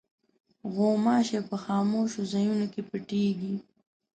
غوماشې په خاموشو ځایونو کې پټېږي.